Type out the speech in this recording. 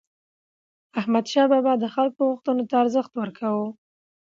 احمدشاه بابا د خلکو غوښتنو ته ارزښت ورکاوه.